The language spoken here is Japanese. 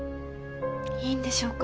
いいんでしょうか？